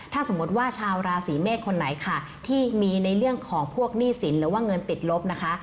ถ้าสมมติว่าชาวราศีเมษคนไหนค่ะที่มีในเรื่องของพวกหนี้สินหรือว่าเงินติดลบนะคะ